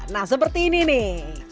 nah seperti ini nih